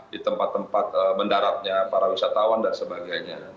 di tempat tempat mendaratnya para wisatawan dan sebagainya